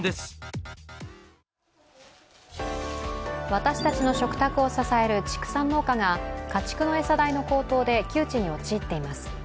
私たちの食卓を支える畜産農家が家畜の餌代の高騰で窮地に陥っています。